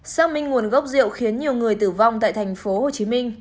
sau minh nguồn gốc rượu khiến nhiều người tử vong tại tp hcm